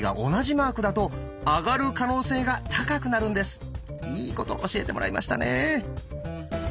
答えはいいこと教えてもらいましたね。